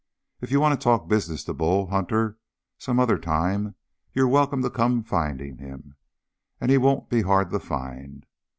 If you want to talk business to Bull Hunter some other time, you're welcome to come finding him, and he won't be hard to find.